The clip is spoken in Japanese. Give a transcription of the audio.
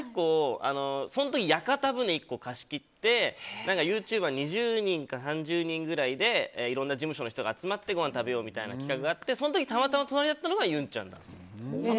その時、屋形船１個貸し切ってユーチューバー２０人か３０人くらいでいろんな事務所の人が集まってご飯食べようみたいな企画があって、その時たまたま隣だったのがゆんちゃんだったんです。